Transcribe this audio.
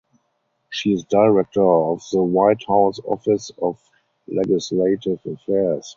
She is Director of the White House Office of Legislative Affairs.